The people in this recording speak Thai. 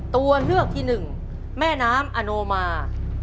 ตัวเลือกที่หนึ่งแม่น้ำอโนมา